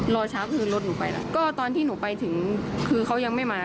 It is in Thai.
รอเช้าคืนรถหนูไปแล้วก็ตอนที่หนูไปถึงคือเขายังไม่มา